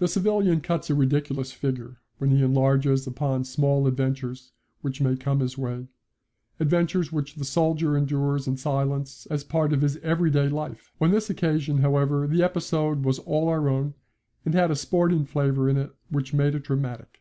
The civilian cuts a ridiculous figure when he enlarges upon small adventures which may come his way adventures which the soldier endures in silence as part of his everyday life. On this occasion, however, the episode was all our own, and had a sporting flavour in it which made it dramatic.